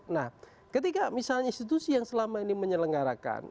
nah ketika misalnya institusi yang selama ini menyelenggarakan